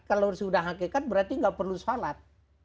kalau sudah hakikat berarti tidak perlu shalat